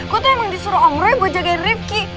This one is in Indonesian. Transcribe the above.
gue tuh emang disuruh om rey buat jagain rifki